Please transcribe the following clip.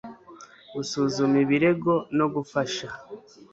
gusuzuma ibirego no gufasha